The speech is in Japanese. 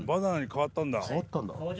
変わったんだ。